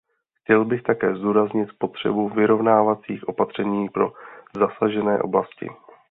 Chtěl bych také zdůraznit potřebu vyrovnávacích opatření pro zasažené oblasti.